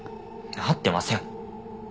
会ってません！